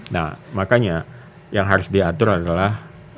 nah makanya yang harus diatur adalah